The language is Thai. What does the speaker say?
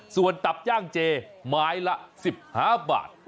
ส่วนตับย่างเจไม้ละ๑๕บาท